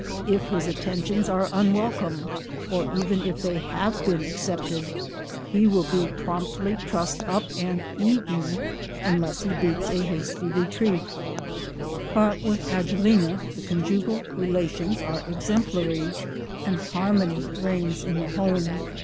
If his attentions are unwelcome, or even if they have been accepted, he will be promptly trussed up and eaten unless he beats a hasty retreat. But with Agelena the conjugal relations are exemplary, and harmony reigns in the home.